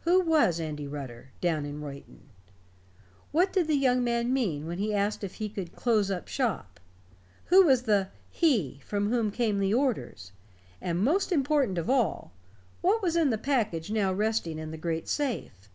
Who was Andy Rutter, down in Reuton? What did the young man mean when he asked if he should "close up shop"? Who was the "he" from whom came the orders? and most important of all, what was in the package now resting in the great safe?